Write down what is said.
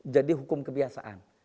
jadi hukum kebiasaan